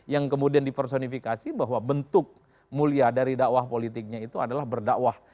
yang kemudian dipersonifikasi bahwa bentuk mulia dari dakwah politiknya itu adalah berdakwah